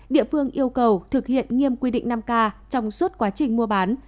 địa phương yêu cầu thực hiện nghiêm quy định năm k trong suốt quá trình mua bán